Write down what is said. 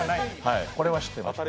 これは知ってました。